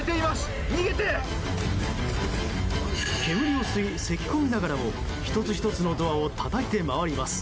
煙を吸い、せき込みながらも１つ１つのドアをたたいて回ります。